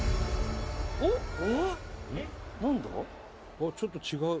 あっちょっと違う。